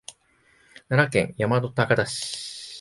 奈良県大和高田市